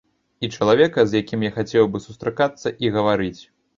І чалавека, з якім я хацеў бы сустракацца і гаварыць.